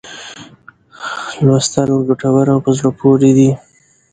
لوستل ګټور او په زړه پوري دي.